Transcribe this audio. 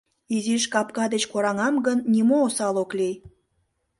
Изиш капка деч кораҥам гын, нимо осал ок лий.